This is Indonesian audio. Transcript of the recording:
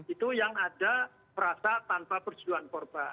itu yang ada perasa tanpa persiduhan korba